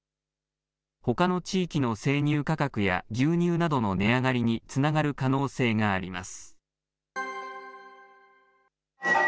ほかの地域の生乳価格や牛乳などの値上がりにつながる可能性があります。